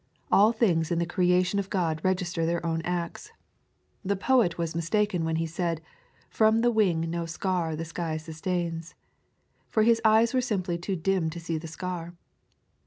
All things in the creation of God register their own acts. The poet was mistaken when he said, "From the wing no scar the sky sustains." His eyes were simply too dim to see the scar.